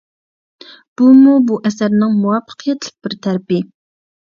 بۇمۇ بۇ ئەسەرنىڭ مۇۋەپپەقىيەتلىك بىر تەرىپى.